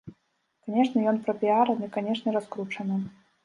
Канешне, ён прапіяраны, канешне, раскручаны.